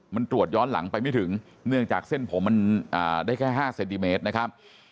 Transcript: มันตรวจย้อนหลังไปไม่ถึงเนื่องจากเส้นผมมันได้แค่๕เซนติเมตรนะครับ